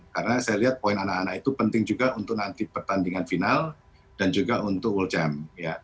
karena saya lihat poin anak anak itu penting juga untuk nanti pertandingan final dan juga untuk world jump